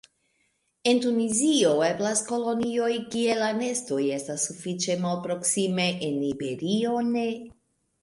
En Tunizio eblas kolonioj kie la nestoj estas sufiĉe malproksime; en Iberio ne.